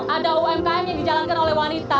ada umkm yang dijalankan oleh wanita